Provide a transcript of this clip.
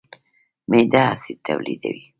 معده اسید تولیدوي.